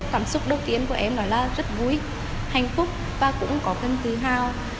cảm xúc đầu tiên của em đó là rất vui hạnh phúc và cũng có cân tự hào